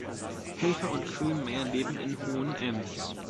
Helfer und Köhlmeier leben in Hohenems.